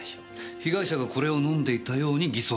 被害者がこれを飲んでいたように偽装するため。